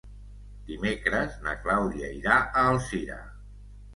Dimecres na Clàudia irà a Alzira.